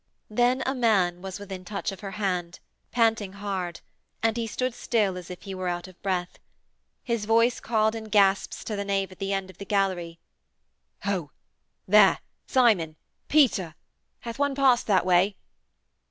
Then a man was within touch of her hand, panting hard, and he stood still as if he were out of breath. His voice called in gasps to the knave at the end of the gallery: 'Ho ... There ... Simon!... Peter!... Hath one passed that way?'